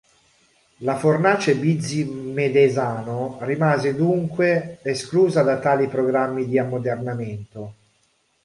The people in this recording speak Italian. La Fornace Bizzi-Medesano rimase dunque esclusa da tali programmi di ammodernamento.